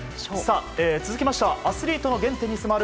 続きましてアスリートの原点に迫る